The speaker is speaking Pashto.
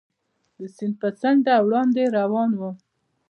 د سیند پر څنډه وړاندې روان ووم.